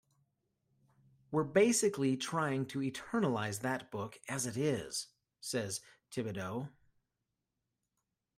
"We're basically trying to eternalize that book as it is," says Thibadeau.